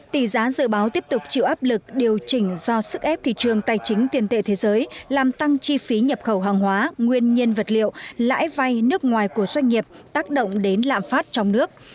tỷ giá dự báo tiếp tục chịu áp lực điều chỉnh do sức ép thị trường tài chính tiền tệ thế giới làm tăng chi phí nhập khẩu hàng hóa nguyên nhiên vật liệu lãi vay nước ngoài của doanh nghiệp tác động đến lạm phát trong nước